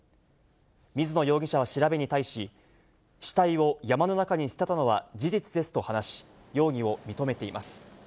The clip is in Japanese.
水野容疑者は調べに対し、死体を山の中に捨てたのは事実ですと話し、容疑を認めています。